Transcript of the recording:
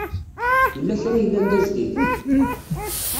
Yella kra yellan d ajdid?